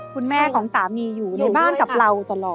คุณแม่ของสามีอยู่ในบ้านกับเราตลอด